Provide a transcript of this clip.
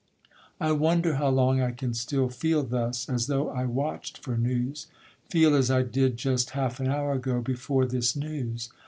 I wonder how long I can still feel thus, As though I watch'd for news, feel as I did Just half an hour ago, before this news.